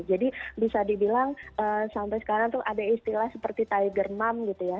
jadi bisa dibilang sampai sekarang tuh ada istilah seperti tiger mom gitu ya